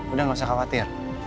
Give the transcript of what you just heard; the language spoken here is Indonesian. udah gak usah khawatir